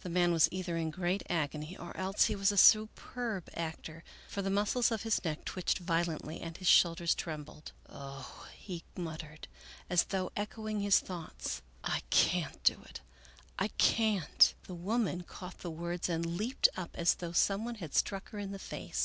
The man was either in great agony or else he was a superb actor, for the muscles of his neck twitched violently and his shoul ders trembled. " Oh," he muttered, as though echoing his thoughts, " I can't do it, I can't !" The woman caught the words and leaped up as though some one had struck her in the face.